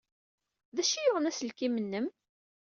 D acu ay yuɣen aselkim-nnem?